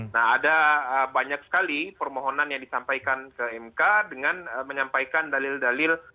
nah ada banyak sekali permohonan yang disampaikan ke mk dengan menyampaikan dalil dalil